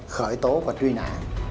khởi tố và truy nã